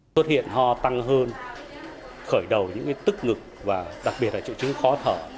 xuất hiện ho tăng hơn khởi đầu những tức ngực và đặc biệt là triệu chứng khó thở